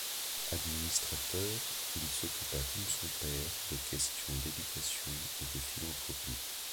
Administrateur, il s'occupa comme son père de questions d'éducation et de philanthropie.